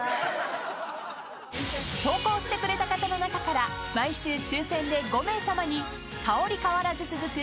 ［投稿してくれた方の中から毎週抽選で５名さまに香り変わらず続く